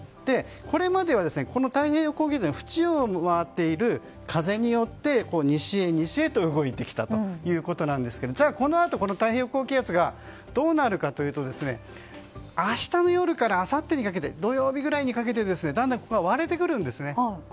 これまでは太平洋高気圧の縁を回っている風によって西へと動いてきたんですがこのあとこの太平洋高気圧がどうなるかというと明日の夜から土曜日にかけてだんだんと高気圧が割れてくるんです。